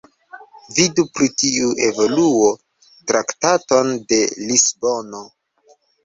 Vidu pri tiu evoluo Traktaton de Lisbono.